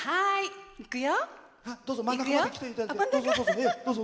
いくよ。